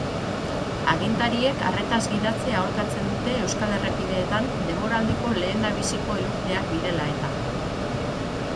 Agintariek arretaz gidatzea aholkatzen dute euskal errepideetan denboraldiko lehendabiziko elurteak direla eta.